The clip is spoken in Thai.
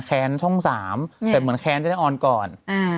แค้นช่องสามแค้นจะได้ออนก่อน